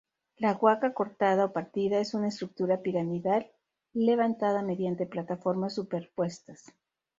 La Huaca Cortada o Partida es una estructura piramidal levantada mediante plataformas superpuestas.